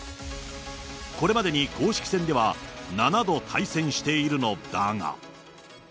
これまでに公式戦では７度対戦しているのだが。